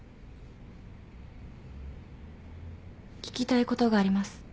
聞きたいことがあります。